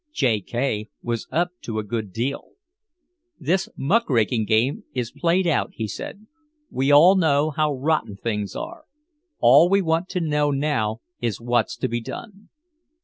J. K. was up to a good deal. "This muckraking game is played out," he said. "We all know how rotten things are. All we want to know now is what's to be done."